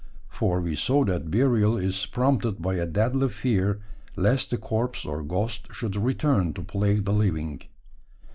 For we saw that burial is prompted by a deadly fear lest the corpse or ghost should return to plague the living.